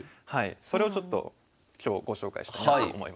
それをちょっと今日ご紹介したいなと思います。